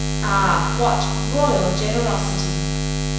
Ah, what royal generosity!